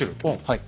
はい。